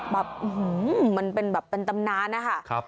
อรรพมันเป็นปันตำนานนะคะ